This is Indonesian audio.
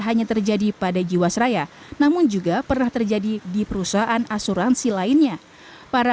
hanya terjadi pada jiwasraya namun juga pernah terjadi di perusahaan asuransi lainnya para